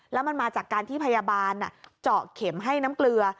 แล้วมันมาจากการที่พยาบาลเจาะเข็มให้น้ำเกลือ